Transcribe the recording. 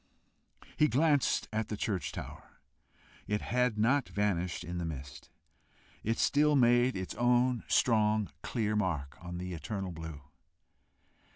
He glanced at the church tower. It had not vanished in mist! It still made its own strong, clear mark on the eternal blue!